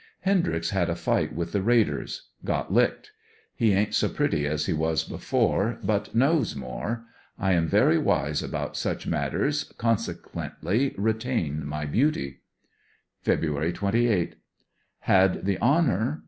Hendryx had a tight with the raiders — got licked. He ain't so pretty as he was before, but knows more. I am very wise about such matters, consequently retain my beauty. Feb. ^8.— Had the honor